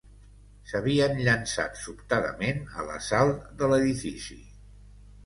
S'havien llançat sobtadament a l'assalt de l'edifici